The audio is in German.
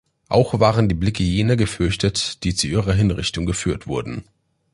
Auch waren die Blicke jener gefürchtet, die zu ihrer Hinrichtung geführt wurden.